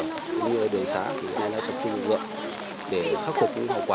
như ở đường xã chúng tôi đã tập trung vượt vượt để khắc phục những hậu quả